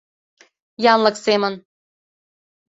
Янлык семын